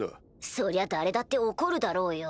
そりゃ誰だって怒るだろうよ。